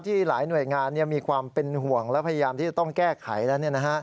หลายหน่วยงานมีความเป็นห่วงและพยายามที่จะต้องแก้ไขแล้ว